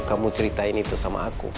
kamu ceritain itu sama aku